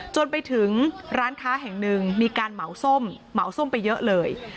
จนไปถึงร้านค้าแห่งหนึ่งมีการเหมาส้มเหมาส้มไปเยอะเลย